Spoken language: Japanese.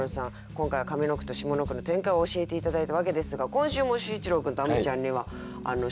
今回は上の句と下の句の展開を教えて頂いたわけですが今週も秀一郎君とあむちゃんには宿題を。